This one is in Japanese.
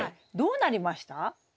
どうなりました？